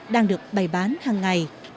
đang được bày bán hàng ngày